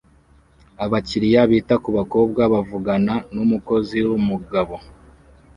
abakiriya bita kubakobwa bavugana numukozi wumugabo